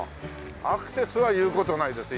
アクセスはいう事ないだって